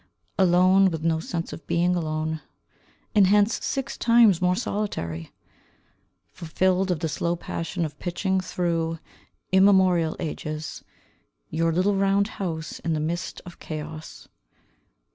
Alone, with no sense of being alone, And hence six times more solitary; Fulfilled of the slow passion of pitching through immemorial ages Your little round house in the midst of chaos.